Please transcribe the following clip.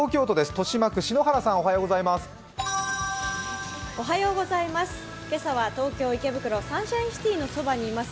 豊島区、篠原さん、おはようございます。